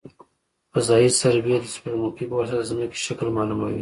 فضايي سروې د سپوږمکۍ په واسطه د ځمکې شکل معلوموي